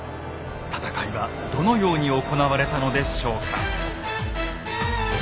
戦いはどのように行われたのでしょうか？